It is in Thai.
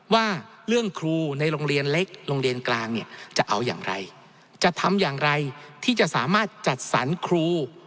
ว่าเรื่องครูในโรงเรียนเล็กโรงเรียนกลางเนี่ยจะเอาอย่างไรจะทำอย่างไรที่จะสามารถจัดสรรครู